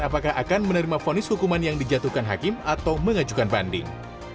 apakah akan menerima fonis hukuman yang dijatuhkan hakim atau mengajukan banding